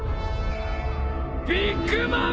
ビッグ・マム！？